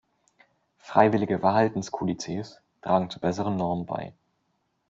Freiwillige Verhaltenskodizes tragen zu besseren Normen bei.